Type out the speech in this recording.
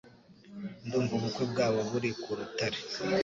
Ndumva ubukwe bwabo buri ku rutare